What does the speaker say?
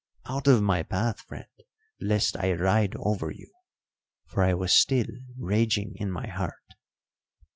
'Out of my path, friend, lest I ride over you'; for I was still raging in my heart.